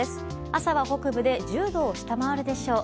朝は北部で１０度を下回るでしょう。